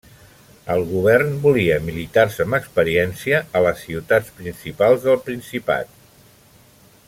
El govern volia militars amb experiència a les ciutats principals del Principat.